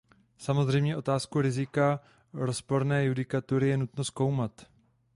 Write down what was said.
Samozřejmě otázku rizika rozporné judikatury je nutno zkoumat.